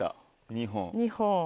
２本。